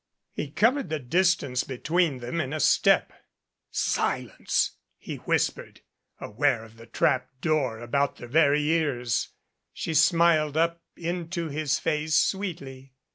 He covered the distance between them in a step. "Silence," he whispered, aware of the trap door about their very ears. She smiled up into his face sweetly.